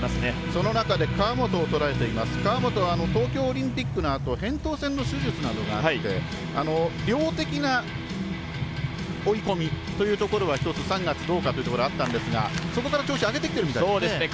その中で川本は東京オリンピックのあとにへんとう腺の手術などがあって量的な追い込みというところは一つ、３月どうかというのがあったんですがそこから調子上げてきているみたいですね。